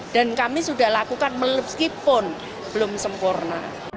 dan kami sudah lakukan meskipun belum sempurna